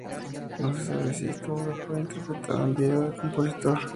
No se sabe si esta obra fue interpretada en vida del compositor.